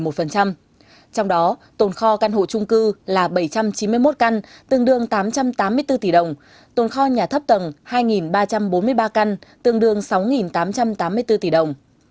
trong đó tồn kho căn hộ trung cư là bảy trăm chín mươi một căn tương đương tám trăm tám mươi bốn tỷ đồng tồn kho nhà thấp tầng hai ba trăm bốn mươi ba căn tương đương sáu tám trăm tám mươi bốn tỷ đồng